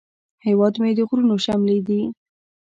هیواد مې د غرونو شملې دي